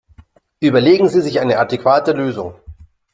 Überlegen Sie sich eine adäquate Lösung!